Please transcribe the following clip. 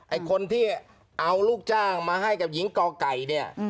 ไอ้คนที่เอาลูกจ้างมาให้กับหญิงกไก่เนี่ย